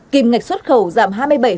kìm ngạch xuất khẩu giảm hai mươi bảy năm